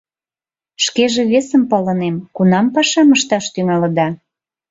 Шкеже весым палынем: кунам пашам ышташ тӱҥалыда?